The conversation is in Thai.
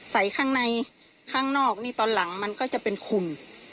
ใส่ข้างในข้างนอกนี่ตอนหลังมันก็จะเป็นคุม